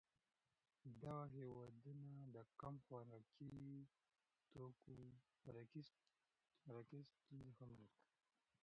دغه هېوادونه د کم خوراکۍ ستونزه هم لري.